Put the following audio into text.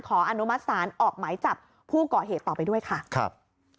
อนุมัติศาลออกหมายจับผู้ก่อเหตุต่อไปด้วยค่ะครับ